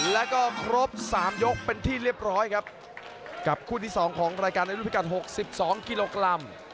แล้วก็ครบสามยกเป็นที่เรียบร้อยครับกับคู่ที่สองของรายการในรุ่นพิการหกสิบสองกิโลกรัม